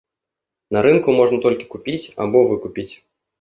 На рынку можна толькі купіць або выкупіць.